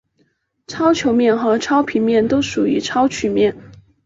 超球面和超平面都属于超曲面。